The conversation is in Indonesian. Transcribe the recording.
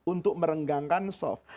untuk merenggangkan soft